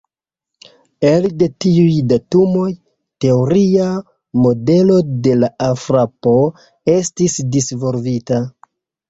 Elde tiuj datumoj, teoria modelo de la alfrapo estis disvolvita.